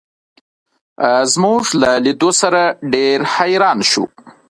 زموږ له لیدو سره ډېر حیران شو.